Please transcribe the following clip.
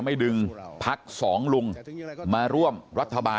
ขอบคุณเลยนะฮะคุณแพทองธานิปรบมือขอบคุณเลยนะฮะ